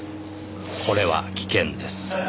「これは危険です」